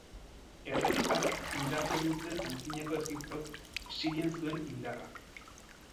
Errege hark indartu egin zuen Antzinako Egiptok Sirian zuen indarra.